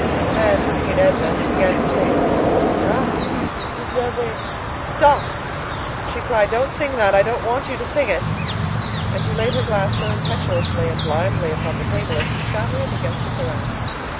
Then, looking at Edna, he began to sing: "Ah! si tu savais!" "Stop!" she cried, "don't sing that. I don't want you to sing it," and she laid her glass so impetuously and blindly upon the table as to shatter it against a carafe.